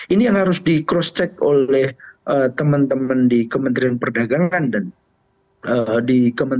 ini yang harus di cross check oleh teman teman di kementerian perdagangan